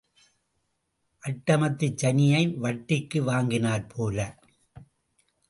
அட்டமத்துச் சனியை வட்டிக்கு வாங்கினாற்போல.